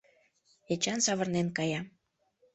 Эчан савырнен кая.